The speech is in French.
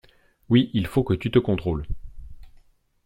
Oui faut que tu te contrôles.